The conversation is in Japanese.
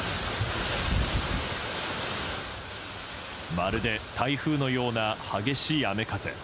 まるで台風のような激しい雨風。